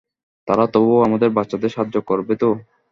তারা তবুও আমাদের বাচ্চাদের সাহায্য করবে তো?